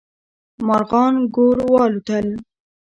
مارغان ګور والوتل.